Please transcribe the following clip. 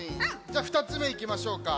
じゃあ２つめいきましょうか。